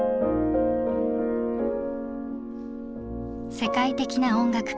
世界的な音楽家